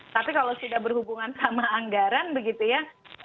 tapi kalau sudah berhubungan sama anggaran begitu ya